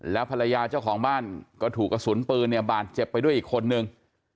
แล้วภรรยาเจ้าของบ้านก็ถูกกระสุนปืนเนี่ยบาดเจ็บไปด้วยอีกคนนึง